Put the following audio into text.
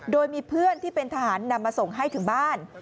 โดยมีเพื่อนที่เป็นทหารนำมาส่งให้ถึงบ้าน